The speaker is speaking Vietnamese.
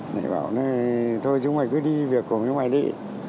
thầy bảo thôi chúng mày cứ đi việc của mấy ngoài địa